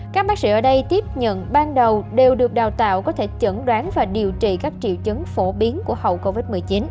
các bác sĩ ở đây tiếp nhận ban đầu đều được đào tạo có thể chẩn đoán và điều trị các triệu chứng phổ biến của hậu covid một mươi chín